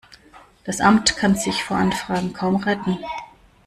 Das Amt kann sich vor Anfragen kaum retten.